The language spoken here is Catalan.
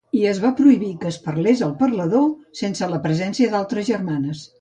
I es va prohibir que es parlés al parlador sense la presència d'altres germanes.